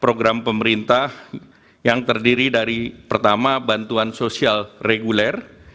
program pemerintah yang terdiri dari pertama bantuan sosial reguler